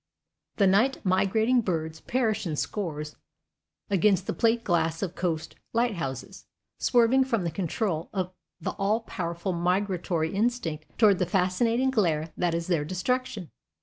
The night migrating birds perish in scores against the plate glass of coast lighthouses, swerving from the control of the all powerful migratory instinct toward the fascinating glare that is their destruction.